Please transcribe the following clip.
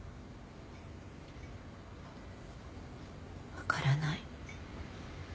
分からない。